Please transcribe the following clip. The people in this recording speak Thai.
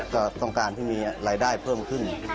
ก็ต้องการที่มีรายได้เพิ่มขึ้น